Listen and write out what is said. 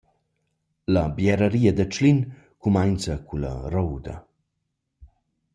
La bieraria da Tschlin cumainza culla rouda.